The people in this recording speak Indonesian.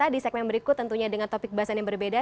di segmen berikut tentunya dengan topik bahasan yang berbeda